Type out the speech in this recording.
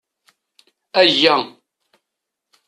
Ayya!